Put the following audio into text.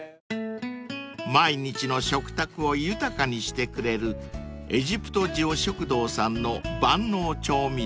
［毎日の食卓を豊かにしてくれるエジプト塩食堂さんの万能調味料］